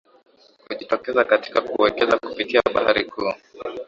kujitokeza katika kuwekeza kupitia bahari kuu